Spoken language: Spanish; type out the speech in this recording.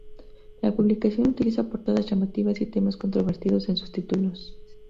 La publicación utiliza portadas llamativas y temas controvertidos en sus títulos.